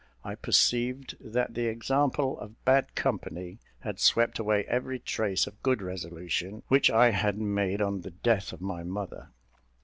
I perceived that the example of bad company had swept away every trace of good resolution which I had made on the death of my mother.